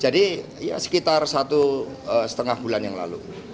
jadi sekitar satu lima bulan yang lalu